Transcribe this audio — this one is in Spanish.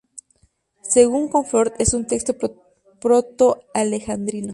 Según Comfort es un texto proto-alejandrino.